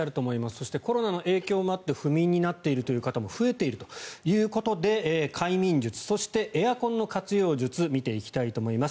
そして、コロナの影響もあって不眠になっている方も増えているということで快眠術そしてエアコンの活用術を見ていきたいと思います。